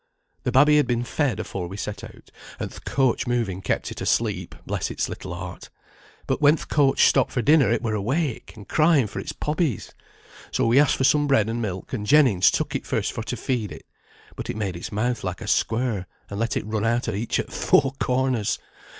"The babby had been fed afore we set out, and th' coach moving kept it asleep, bless its little heart. But when th' coach stopped for dinner it were awake, and crying for its pobbies. So we asked for some bread and milk, and Jennings took it first for to feed it; but it made its mouth like a square, and let it run out at each o' th' four corners.